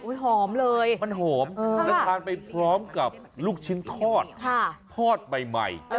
หอมเลยมันหอมแล้วทานไปพร้อมกับลูกชิ้นทอดทอดใหม่